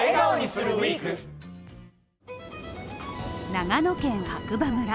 長野県白馬村。